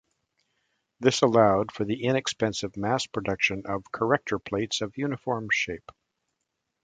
This allowed for the inexpensive mass production of corrector plates of uniform shape.